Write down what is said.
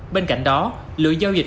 bên cạnh đó lượng giao dịch